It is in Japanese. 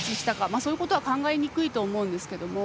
そういうことは考えにくいと思うんですが。